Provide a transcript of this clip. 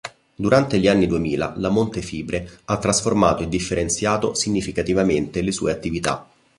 Durante gli anni duemila la Montefibre ha trasformato e differenziato significativamente le sue attività.